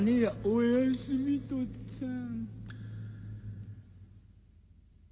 おやすみとっつぁん。